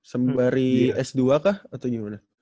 sembari s dua kah atau gimana